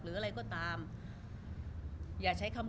รูปนั้นผมก็เป็นคนถ่ายเองเคลียร์กับเรา